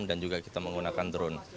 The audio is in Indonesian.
dan juga kita menggunakan drone